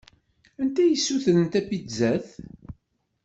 Anta i yessutren tapizzat?